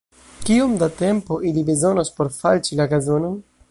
Kiom da tempo ili bezonos por falĉi la gazonon?